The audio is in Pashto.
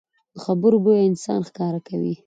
د خبرو بویه انسان ښکاره کوي